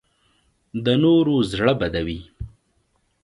د نورو زړه بدوي